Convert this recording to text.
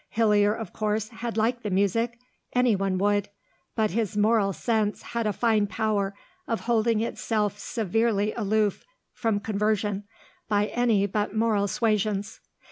Hillier, of course, had liked the music; anyone would. But his moral sense had a fine power of holding itself severely aloof from conversion by any but moral suasions.